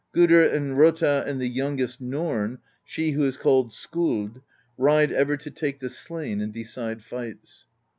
Gudr and Rota and the youngest Norn, she who is called Skuld, ride ever to take the slain and decide fights.